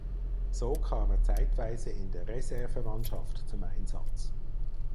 So kam er zeitweise in der Reservemannschaft zum Einsatz.